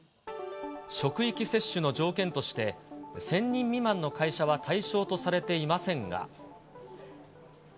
職域接種の条件として、１０００人未満の会社は対象とされていませんが。